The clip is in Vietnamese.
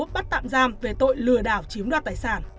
bắt tạm giam về tội lừa đảo chiếm đoạt tài sản